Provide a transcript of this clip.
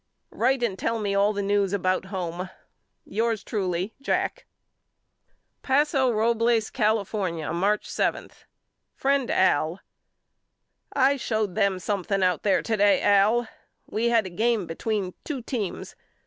Write and tell me all the news about home. Yours truly, JACK. A BUSHER'S LETTERS HOME 19 Paso RobleS) California^ March 7. FRIEND AL: I showed them something out there to day Al. We had a game between two teams.